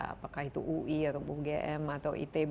apakah itu ui ataupun gm atau itb